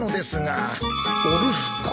お留守か